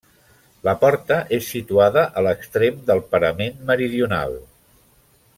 La porta és situada a l'extrem del parament meridional.